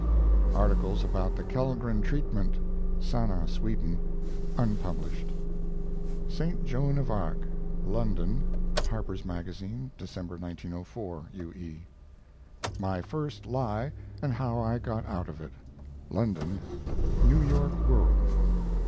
Articles about the Kellgren treatment (Sanna, Sweden) (unpublished). ST. JOAN OF ARC (London) Harper's Magazine, December, 1904. U. E. MY FIRST LIE, AND How I GOT OUT OF IT (London) New York World.